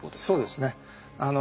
そうですね。